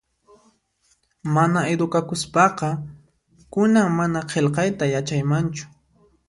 Mana edukakuspaqa kunan mana qillqayta yachaymanchu